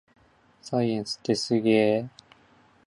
サイエンスってすげぇ